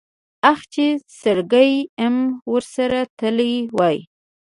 اخ چې سرګي ام ورسره تلی وای.